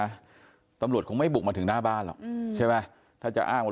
นะตำรวจคงไม่บุกมาถึงหน้าบ้านหรอกอืมใช่ไหมถ้าจะอ้างว่า